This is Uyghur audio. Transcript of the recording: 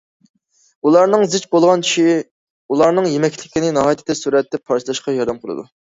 ئۇلارنىڭ زىچ بولغان چىشى ئۇلارنىڭ يېمەكلىكنى ناھايىتى تېز سۈرئەتتە پارچىلىشىغا ياردەم قىلىدۇ.